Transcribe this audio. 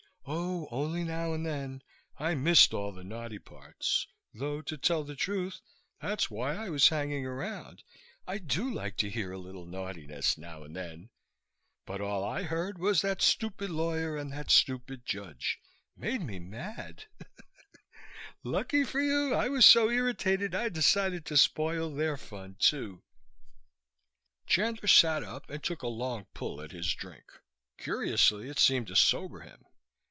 "Oh, only now and then. I missed all the naughty parts though, to tell the truth, that's why I was hanging around. I do like to hear a little naughtiness now and then ... but all I heard was that stupid lawyer and that stupid judge. Made me mad." She giggled. "Lucky for you. I was so irritated I decided to spoil their fun too." Chandler sat up and took a long pull at his drink. Curiously, it seemed to sober him.